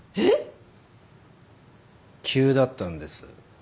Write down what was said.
急だったんです。